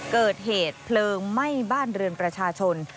เกิดเหตุเพลิงไหม้บ้านเรือนประชาชน